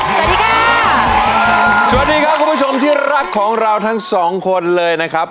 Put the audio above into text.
สวัสดีค่ะสวัสดีครับคุณผู้ชมที่รักของเราทั้งสองคนเลยนะครับ